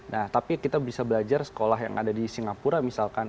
nah tapi kita bisa belajar sekolah yang ada di singapura misalkan